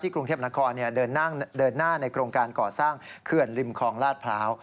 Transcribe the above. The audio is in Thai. กรุงเทพนครเดินหน้าในโครงการก่อสร้างเขื่อนริมคลองลาดพร้าว